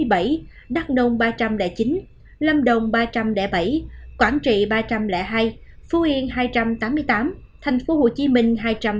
yên bái ba trăm bốn mươi bảy đắk nông ba trăm linh chín lâm đồng ba trăm linh bảy quảng trị ba trăm linh hai phú yên hai trăm tám mươi tám thành phố hồ chí minh hai trăm tám mươi năm